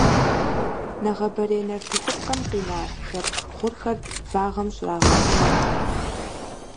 Нэгъабэрей нартыхупкъэм къина жэпкъ гъурхэр вагъэм щӀрагъэхъумэ.